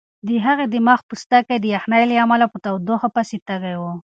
د هغې د مخ پوستکی د یخنۍ له امله په تودوخه پسې تږی و.